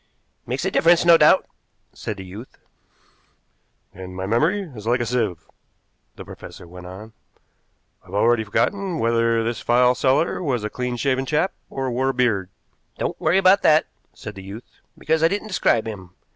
"Makes a difference, no doubt," said the youth. "And my memory is like a sieve," the professor went on. "I've already forgotten whether this file seller was a clean shaven chap or wore a beard." "Don't worry about that," said the youth, "because I didn't describe him.